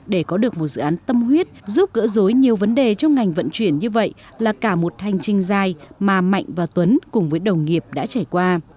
để có được một dự án tâm huyết giúp gỡ rối nhiều vấn đề trong ngành vận chuyển như vậy là cả một hành trình dài mà mạnh và tuấn cùng với đồng nghiệp đã trải qua